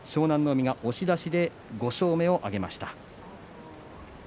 海が押し出しで５勝目を挙げました。